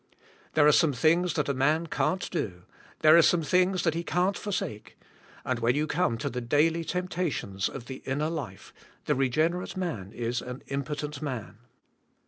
There are some thing's that a man can't do; there are some thing's that he can't forsake; when you come to the daily temptations of the inner life, the reg"enerate man is an impotent man.